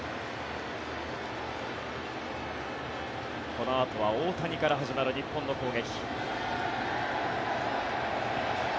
このあとは大谷から始まる日本の攻撃。